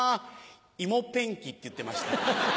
「芋ペンキ」って言ってました。